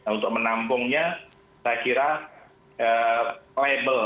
untuk menampungnya saya kira label